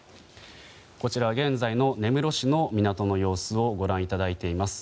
こちらは現在の根室市の港の様子をご覧いただいています。